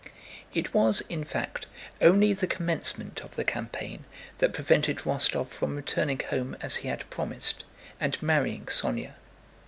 It was, in fact, only the commencement of the campaign that prevented Rostóv from returning home as he had promised and marrying Sónya.